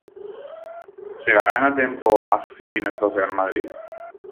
Chegarán a tempo ás oficinas do Real Madrid?